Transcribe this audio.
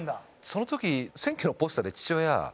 その時選挙のポスターで父親